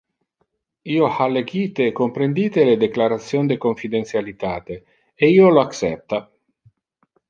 Io ha legite e comprendite le declaration de confidentialitate e io lo accepta.